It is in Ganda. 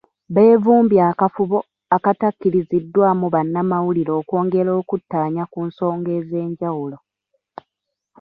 Beevumbye akafubo akatakkiriziddwamu bannamawulire okwongera okuttaanya ku nsonga ez'enjawulo.